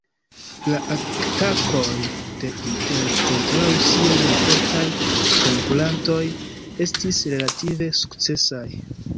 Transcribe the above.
La atakoj de Intel kontraŭ siaj malfortaj konkurantoj estis relative sukcesaj.